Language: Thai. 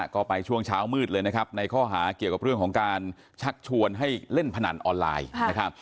ก็ไปช่วงเช้ามืดเลยนะครับในข้อหาเกี่ยวกับเรื่องของการชักชวนให้เล่นพนันออนไลน์นะครับ